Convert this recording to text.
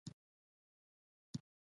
هغه یوه کي زما سا چلیږي